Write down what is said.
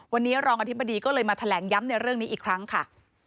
วันนี้รองอธิบดีก็เลยมาแถลงย้ำในเรื่องนี้อีกครั้งค่ะ